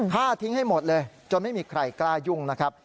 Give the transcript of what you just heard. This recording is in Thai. ฆ่าทิ้งให้หมดเลยจนไม่มีใครกล้ายุ่งนะครับ